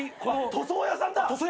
塗装屋さんだ！